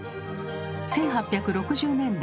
１８６０年代